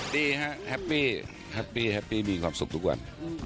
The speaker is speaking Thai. ดีฮะแฮปปี้แฮปปี้แฮปปี้มีความสุขทุกวัน